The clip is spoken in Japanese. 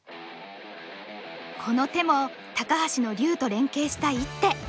この手も高橋の竜と連携した一手。